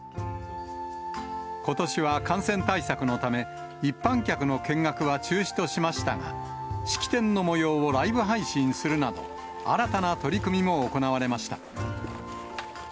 ことしは感染対策のため、一般客の見学は中止としましたが、式典のもようをライブ配信するなど、新たな取り組みも行われました。